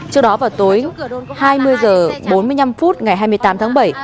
trước đó vào tối hai mươi h bốn mươi năm phút ngày hai mươi tám tháng bảy